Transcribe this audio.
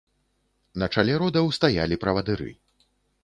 На чале родаў стаялі правадыры.